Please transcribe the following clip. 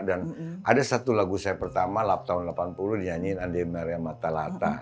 dan ada satu lagu saya pertama tahun delapan puluh dinyanyiin andi maria matalata